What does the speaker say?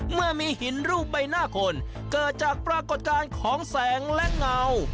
เมื่อมีหินรูปใบหน้าคนเกิดจากปรากฏการณ์ของแสงและเงา